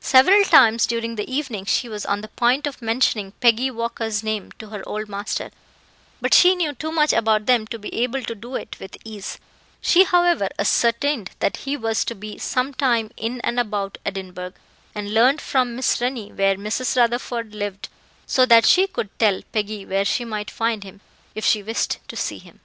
Several times during the evening, she was on the point of mentioning Peggy Walker's name to her old master, but she knew too much about them to be able to do it with ease; she, however, ascertained that he was to be some time in and about Edinburgh, and learned from Miss Rennie where Mrs. Rutherford lived, so that she could tell Peggy where she might find him, if she wished to see him.